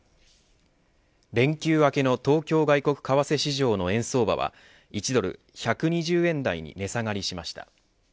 連休明けの東京外国為替市場の円相場は１ドル１２０円台に値下がりしました。